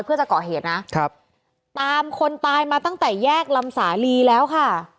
เพื่อจะเกาะเหตุนะครับตามคนตายมาตั้งแต่แยกลำสาลีแล้วค่ะ